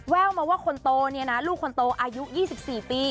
แววมาว่าคนโตเนี่ยนะลูกคนโตอายุ๒๔ปี